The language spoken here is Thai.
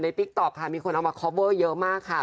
ในติ๊กตอบมีคนเอามาคอเวอร์เยอะมากค่ะ